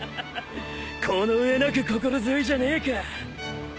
この上なく心強いじゃねえか！